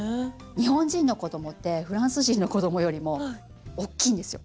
日本人の子どもってフランス人の子どもよりもおっきいんですよ。